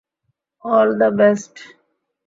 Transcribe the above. All the best!